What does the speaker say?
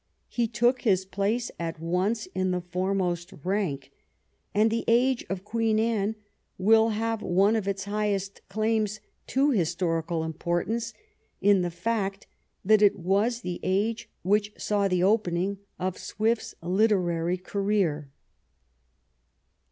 He took his place at once in the foremost rank, and the age of Queen Anne will have one of its highest claims to historical importance in the fact that it was the age which saw the opening of Swift's literary career.